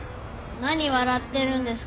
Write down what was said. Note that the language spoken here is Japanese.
なに笑ってるんですか？